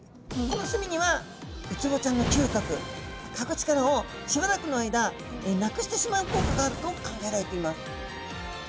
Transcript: この墨にはウツボちゃんの嗅覚かぐ力をしばらくの間なくしてしまう効果があると考えられています。